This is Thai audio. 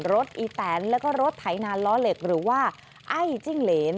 อีแตนแล้วก็รถไถนานล้อเหล็กหรือว่าไอ้จิ้งเหรน